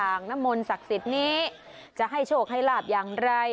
งน้ำมนต์ศักดิ์สิทธิ์นี้จะให้โชคให้ลาบอย่างไร